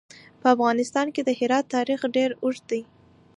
په افغانستان کې د هرات تاریخ ډېر اوږد دی.